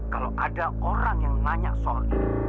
kalau ada orang yang nanya soal ini